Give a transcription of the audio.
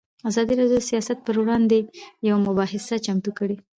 ازادي راډیو د سیاست پر وړاندې یوه مباحثه چمتو کړې.